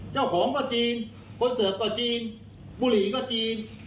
เจ้าของก็จีนคอนเสิร์ฟก็จีนบุรีก็จีน